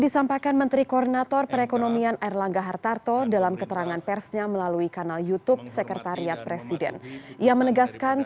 setelah mengikuti sidang